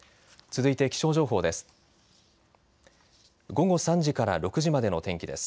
続いて気象情報です。